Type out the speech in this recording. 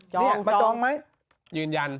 จองจองมาจองมั้ยยืนยัน